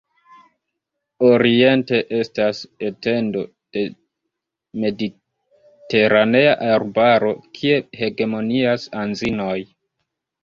Oriente estas etendo de mediteranea arbaro, kie hegemonias anzinoj.